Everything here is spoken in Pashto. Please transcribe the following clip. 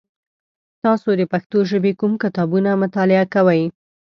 تاسو د پښتو ژبې کوم کتابونه مطالعه کوی؟